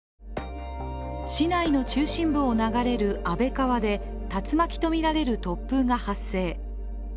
市内の中心部を流れる安倍川で竜巻とみられる突風が発生。